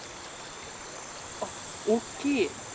あっ大きい。